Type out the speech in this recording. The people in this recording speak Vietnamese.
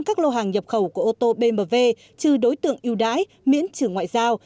các lô hàng nhập khẩu của ô tô bmw trừ đối tượng yêu đái miễn trừ ngoại giao